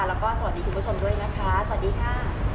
แล้วก็สวัสดีคุณผู้ชมด้วยนะคะสวัสดีค่ะ